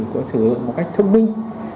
có sử dụng một cách thông minh